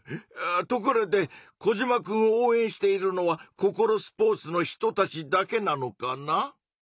ところでコジマくんを応えんしているのはココロスポーツの人たちだけなのかな？